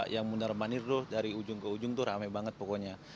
yang mundar mandir tuh dari ujung ke ujung tuh rame banget pokoknya